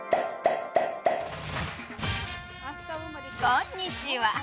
こんにちは。